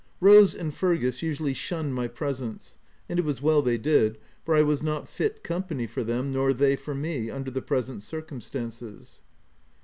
Rose and Fergus usually shunned my presence ; and it was well they did, for I was not fit com pany for them, nor they for me, under the pre sent circumstances.